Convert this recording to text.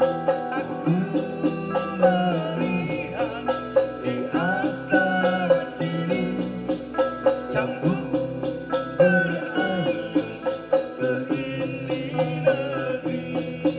aku melihat di atas sini campur berair begini lebih